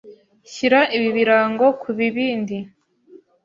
Shyira ibi birango ku bibindi.